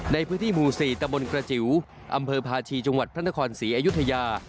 ในพื้นที่หมู่๔ตะบนกระจิ๋วอำเภอพาชีจังหวัดพระนครศรีอยุธยา